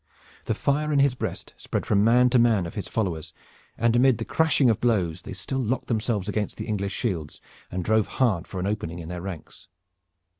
The fire in his breast spread from man to man of his followers, and amid the crashing of blows they still locked themselves against the English shields and drove hard for an opening in their ranks.